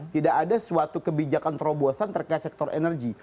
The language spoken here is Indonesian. tidak ada suatu kebijakan terobosan terkait sektor energi